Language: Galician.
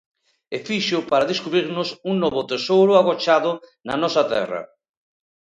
E fíxoo para descubrirnos un novo tesouro agochado na nosa terra.